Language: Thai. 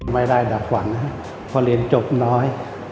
เป็นใดดับฝันพอเรียนจบน้อย